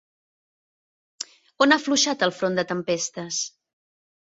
On ha afluixat el front de tempestes?